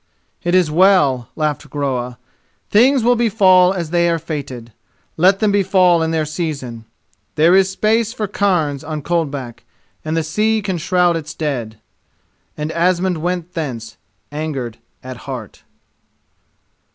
"It is well," laughed Groa. "Things will befall as they are fated; let them befall in their season. There is space for cairns on Coldback and the sea can shroud its dead!" And Asmund went thence, angered at heart.